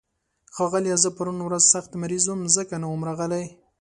ښاغليه، زه پرون ورځ سخت مريض وم، ځکه نه وم راغلی.